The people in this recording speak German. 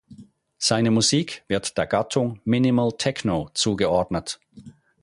Seine Musik wird der Gattung Minimal Techno zugeordnet.